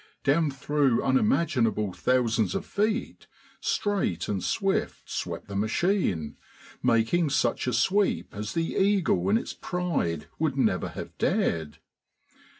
Down through unimaginable thousands of feet, straight and swift swept the machine, making such a sweep as the eagle in its pride would never have dared.